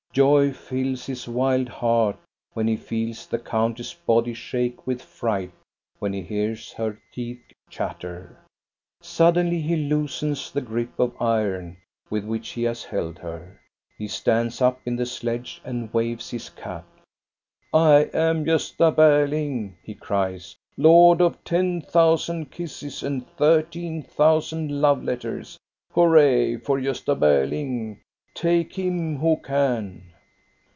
Joy fills his wild heart when he feels the countess's body shake with fright, when he hears her teeth chatter. Suddenly he loosens the grip of iron with which he has held her. He stands up in the sledge and waves his cap. " I am Gosta Berling," he cries, " lord of ten thousand kisses and thirteen thousand love letters! Hurra for Gosta Berling ! Take him who can